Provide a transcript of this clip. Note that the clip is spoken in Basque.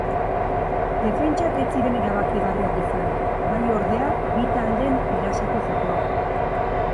Defentsak ez ziren erabakigarriak izan, bai ordea, bi taldeen erasoko jokoa.